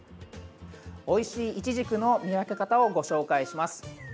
おいしいいちじくの見分け方をご紹介します。